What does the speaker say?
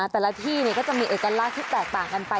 แต่ละที่ก็จะมีเอกลักษณ์ที่แตกต่างกันไป